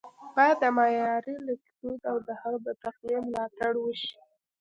ـ بايد د معیاري لیکدود او د هغه د تقويې ملاتړ وشي